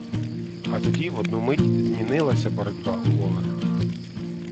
А тоді в одну мить змінилася боротьба у лови.